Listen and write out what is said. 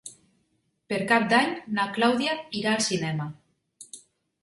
Per Cap d'Any na Clàudia irà al cinema.